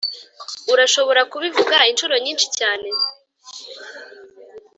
urashobora kubivuga inshuro nyinshi cyane.